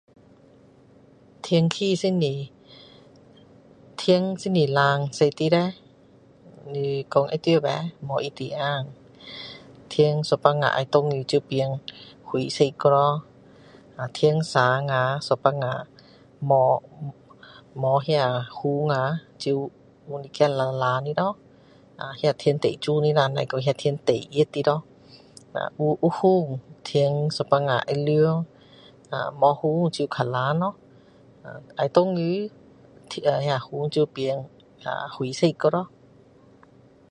天气是不是天是不是蓝色的叻你说会对吗不一定天有时候要下雨就变灰色了咯天晴啊有时候没那个云啊就有一点蓝蓝的咯啊那天最美的啦只是说那天最热的咯有云天有时比较凉没有云天就较蓝咯要下雨云就变啊灰色咯